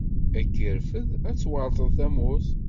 Ad k-irfed, ad tweṛteḍ tamurt.